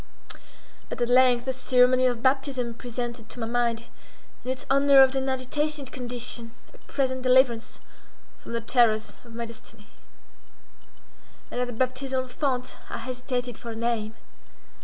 But at length the ceremony of baptism presented to my mind, in its unnerved and agitated condition, a present deliverance from the terrors of my destiny. And at the baptismal font I hesitated for a name.